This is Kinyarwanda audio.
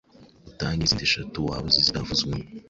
utange n’izindi eshatu waba uzi zitavuzwemo.